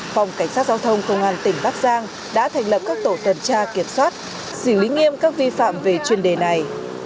phòng cảnh sát giao thông công an tỉnh bắc giang đã thành lập các tổ tuần tra kiểm soát xử lý nghiêm các vi phạm về chuyên đề này